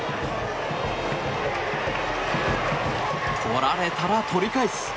とられたら、とり返す！